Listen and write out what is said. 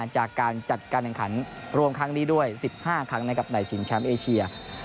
จากการจัดการแข่งขันรวมครั้งนี้ด้วย๑๕ครั้งนะครับในชิงแชมป์เอเชีย